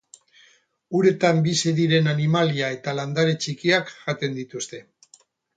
Uretan bizi diren animalia eta landare txikiak jaten dituzte.